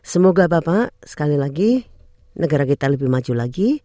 semoga bapak sekali lagi negara kita lebih maju lagi